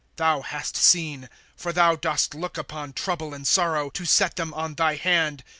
^* Thou hast seen ; for thou dost look upon trouble and sorrow, To set them on thy hand.